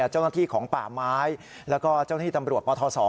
เจ้าหน้าที่ของป่าไม้แล้วก็เจ้าหน้าที่ตำรวจปทศ